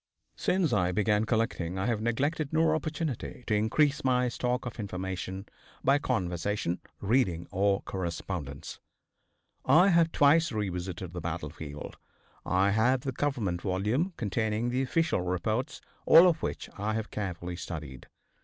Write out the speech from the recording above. Since I began collecting I have neglected no opportunity to increase my stock of information by conversation, reading or correspondence. I have twice revisited the battlefield. I have the Government volume containing the official reports, all of which I have carefully studied.